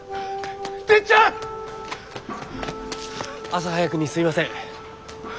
朝早くにすみません。